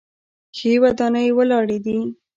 ښې ودانۍ ولاړې دي.